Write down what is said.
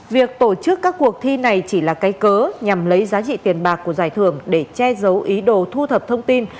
việc tổ chức các cuộc thi này chỉ là cây cớ nhằm lấy giá trị tiền bạc của giải thưởng để che giấu ý đồ thu thập thông tin